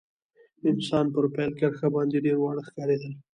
اسان پر پیل کرښه باندي ډېر واړه ښکارېدل.